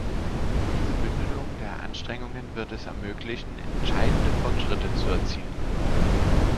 Diese Bündelung der Anstrengungen wird es ermöglichen, entscheidende Fortschritte zu erzielen.